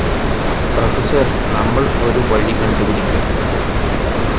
professor നമ്മൾ ഒരു വഴി കണ്ടുപിടിക്കും